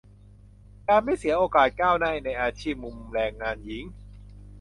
- การไม่เสียโอกาสก้าวหน้าในอาชีพ มุมแรงงานหญิง